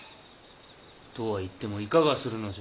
・とは言ってもいかがするのじゃ。